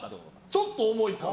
ちょっと重いかな。